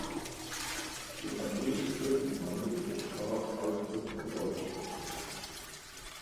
Die Evangelische Kirchengemeinde wird durch Pfarrer Karl Josef Gruber betreut.